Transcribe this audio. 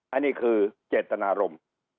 อันนี้คือเจตนารมณ์